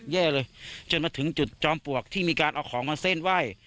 แย่เลยจนมาถึงจุดจอมปลวกที่มีการเอาของมาเส้นไหว้